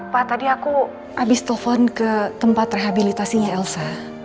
pa tadi aku abis telfon ke tempat rehabilitasinya elsa